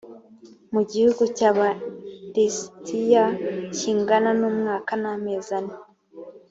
mu gihugu cy aba lisitiya kingana n umwaka n amezi ane